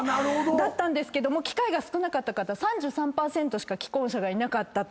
だったんですけども機会が少なかった方３３％しか既婚者がいなかったと。